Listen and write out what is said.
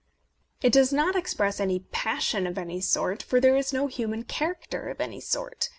It does not express any passion of any sort, for there is no human character of any sort.